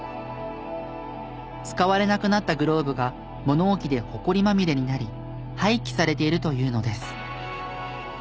使われなくなったグローブが物置でほこりまみれになり廃棄されているというのです。